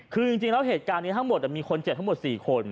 คือจริงแล้วเหตุการณ์นี้ทั้งหมดมีคนเจ็บทั้งหมด๔คน